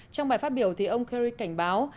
trong bài phát biểu ông kerry cảnh báo